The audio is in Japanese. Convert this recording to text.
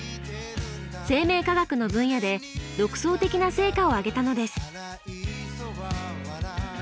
生命科学の分野で独創的な成果を上げたのです。